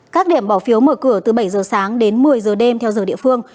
các điểm bỏ phiếu mở cửa từ bảy giờ sáng đến một mươi giờ đêm theo giờ địa phương